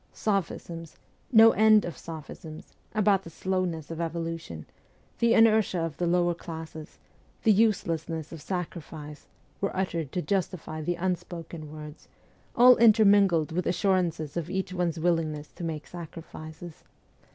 Sophisms no end of sophisms about the slowness of evolution, the inertia of the lower classes, the uselessness of sacrifice, were uttered to justify the unspoken words, all intermingled with assurances of each one's willingness to make sacrifices.